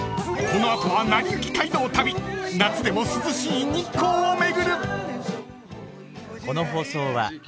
［この後は『なりゆき街道旅』夏でも涼しい日光を巡る］